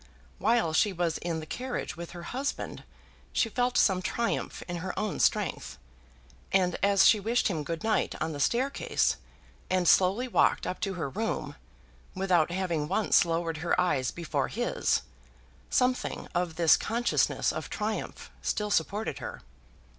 While she was in the carriage with her husband she felt some triumph in her own strength; and as she wished him good night on the staircase, and slowly walked up to her room, without having once lowered her eyes before his, something of this consciousness of triumph still supported her.